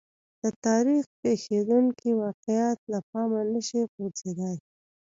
د تاریخ پېښېدونکي واقعات له پامه نه شي غورځېدای.